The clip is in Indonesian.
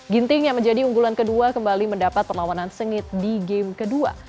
ginting yang menjadi unggulan kedua kembali mendapat perlawanan sengit di game kedua